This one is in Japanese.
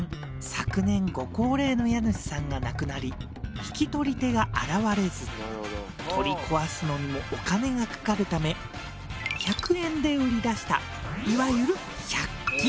昨年ご高齢の家主さんが亡くなり引き取り手が現れず取り壊すのにもお金がかかるため１００円で売り出したいわゆる１００均物件。